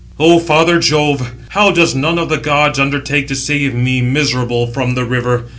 "O father Jove, how does none of the gods undertake to save me, miserable, from the river!